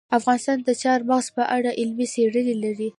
افغانستان د چار مغز په اړه علمي څېړنې لري.